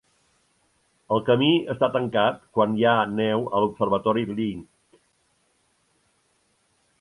El camí està tancat quan hi ha neu a l'Observatori Lick.